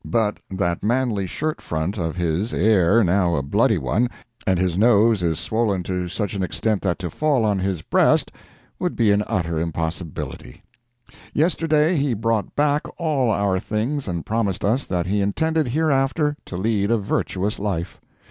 But that manly shirt front of his air now a bloody one, and his nose is swollen to such an extent that to fall on his breast would be an utter impossibility. Yesterday, he brought back all our things and promised us that he intended hereafter to lead a virtuous life.